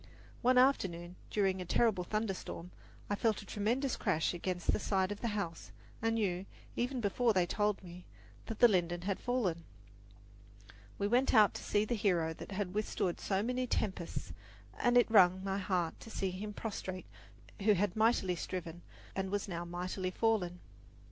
One afternoon, during a terrible thunderstorm, I felt a tremendous crash against the side of the house and knew, even before they told me, that the linden had fallen. We went out to see the hero that had withstood so many tempests, and it wrung my heart to see him prostrate who had mightily striven and was now mightily fallen.